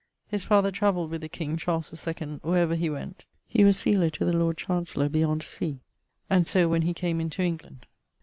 His father travelled with the King, Charles 2ⁿᵈ, where ever he went; he was sealer to the Lord Chancellor beyond sea, and so when he came into England.